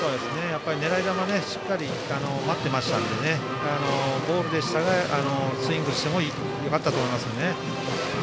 狙い球しっかり待っていましたのでボールでしたが、スイングしてもよかったと思いますね。